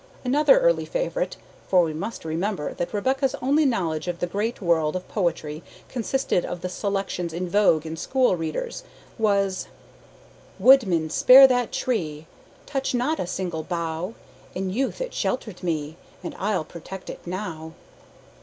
Another early favorite (for we must remember that Rebecca's only knowledge of the great world of poetry consisted of the selections in vogue in school readers) was: "Woodman, spare that tree! Touch not a single bough! In youth it sheltered me, And I'll protect it now."